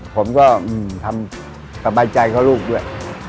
ผมก็ทำสบายใจเขาลูกด้วย